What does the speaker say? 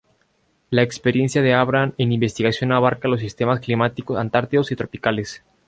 La experiencia de Abram en investigación abarca los sistemas climáticos antárticos y tropicales.